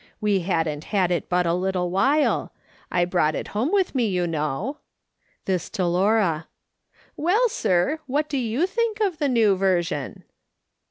We hadn't had it but a little while. I brought it home with me, you know." (This to Laura.) " Well, sir, and what do you think of the New Version